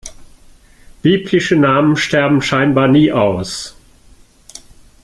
Biblische Namen sterben scheinbar nie aus.